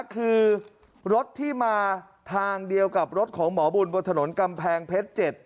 คือรถที่มาทางเดียวกับรถของหมอบุญบนถนนกำแพงเพชร๗